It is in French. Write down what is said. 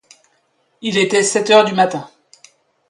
Il était sept heures du matin